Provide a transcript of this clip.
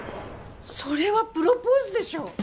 それはプロポーズでしょ！